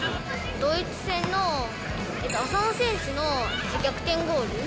ドイツ戦の浅野選手の逆転ゴール。